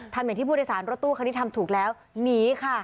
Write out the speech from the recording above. อย่างที่ผู้โดยสารรถตู้คันนี้ทำถูกแล้วหนีค่ะ